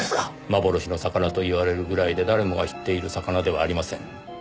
幻の魚といわれるぐらいで誰もが知っている魚ではありません。